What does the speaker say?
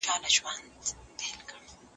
د ناروغانو درناوی وکړه.